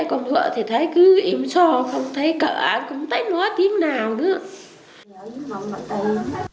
còn vợ thì thấy cứ im so không thấy cỡ không thấy nó tím nào nữa